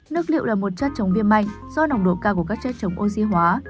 nước liệu là một chất chống viêm mạnh do nồng độ cao của các chất chống oxy hóa